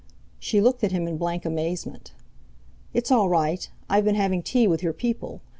She looked at him in blank amazement. "It's all right, I've been having tea with your people.